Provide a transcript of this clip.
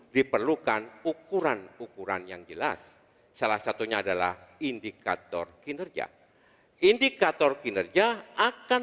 diperlukan ukuran ukuran yang jelas salah satunya adalah indikator kinerja indikator kinerja akan